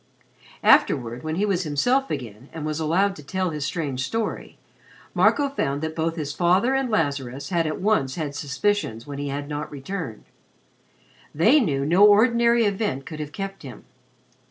Afterward, when he was himself again and was allowed to tell his strange story, Marco found that both his father and Lazarus had at once had suspicions when he had not returned. They knew no ordinary event could have kept him.